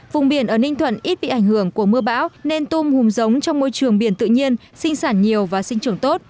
vùng biển ở ninh thuận ít bị ảnh hưởng của mưa bão nên tôm hùm giống trong môi trường biển tự nhiên sinh sản nhiều và sinh trưởng tốt